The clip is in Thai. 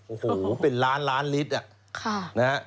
โอ้โหเป็นล้านล้านลิตรนะฮะ